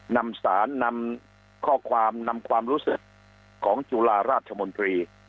นำสารนำข้อความนำความรู้สึกของจุฬาราชมนตรี